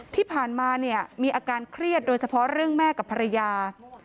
ที่ผ่านมาเนี่ยมีอาการเครียดโดยเฉพาะเรื่องแม่กับภรรยา